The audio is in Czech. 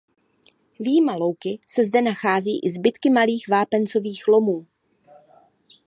Vyjma louky se zde nachází i zbytky malých vápencových lomů.